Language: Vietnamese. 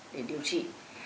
để điều trị